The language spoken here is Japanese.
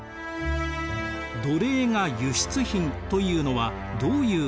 奴隷が輸出品というのはどういうことでしょうか？